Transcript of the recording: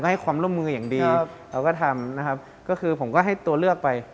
ให้ความร่วมมืออย่างดีเราก็ทำนะครับก็คือผมก็ให้ตัวเลือกไป